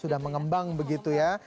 sudah mengembang begitu ya